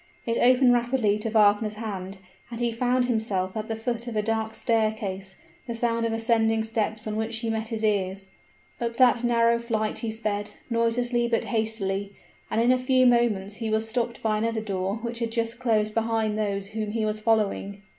It opened rapidly to Wagner's hand, and he found himself at the foot of a dark staircase, the sound of ascending steps on which met his ears. Up that narrow flight he sped, noiselessly but hastily; and in a few moments he was stopped by another door which had just closed behind those whom he was following.